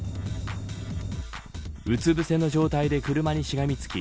うつぶせの状態で車にしがみつき